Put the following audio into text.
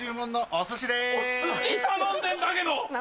お寿司頼んでんだけど！